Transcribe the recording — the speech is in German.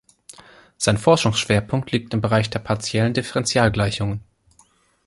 Sein Forschungsschwerpunkt liegt im Bereich der partiellen Differentialgleichungen.